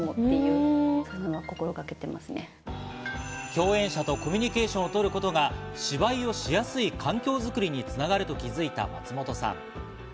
共演者とコミュニケーションを取ることが芝居をしやすい環境づくりに繋がると気づいた松本さん。